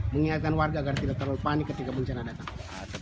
mengingatkan warga agar tidak terlalu panik ketika bencana datang